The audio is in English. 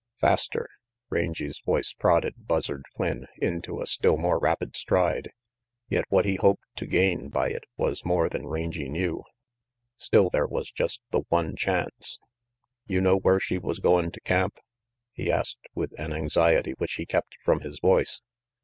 "Faster!" Rangy 's voice prodded Buzzard Flynn into a still more rapid stride; yet what he hoped to gain by it was more than Rangy knew. Still, there was just the one chance. "You know where she was goin' to camp?" he asked with an anxiety which he kept from his voice.